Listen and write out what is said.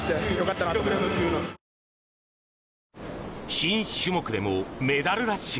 新種目でもメダルラッシュ。